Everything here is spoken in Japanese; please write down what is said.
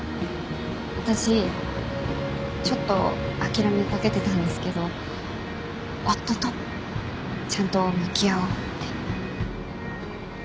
私ちょっと諦めかけてたんですけど夫とちゃんと向き合おうって。